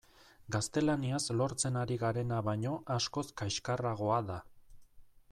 Gaztelaniaz lortzen ari garena baino askoz kaxkarragoa da.